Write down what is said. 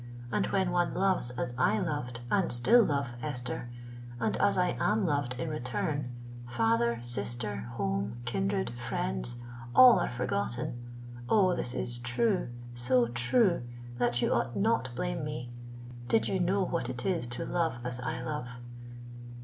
And when one loves as I loved and still love, Esther,—and as I am loved in return,—father, sister, home, kindred, friends—all are forgotten! Oh! this is true—so true, that you would not blame me, did you know what it is to love as I love!"